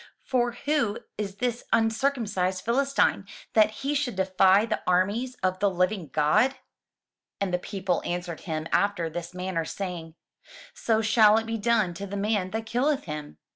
For who is this uncircumcised Philistine, that he should defy the armies of the living God?" 258 THROUGH FAIRY HALLS And the people answered him after this manner, saying, "So shall it be done to the man that killeth him."